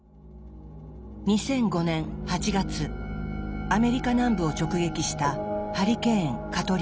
２００５年８月アメリカ南部を直撃したハリケーン・カトリーナ。